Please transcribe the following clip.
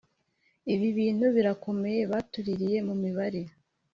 Ibi bintu birakomera batuririye mumibare